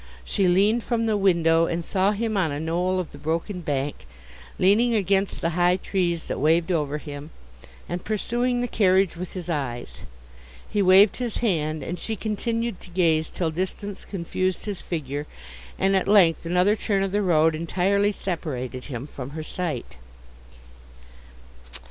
She leaned from the window, and saw him on a knoll of the broken bank, leaning against the high trees that waved over him, and pursuing the carriage with his eyes. He waved his hand, and she continued to gaze till distance confused his figure, and at length another turn of the road entirely separated him from her sight.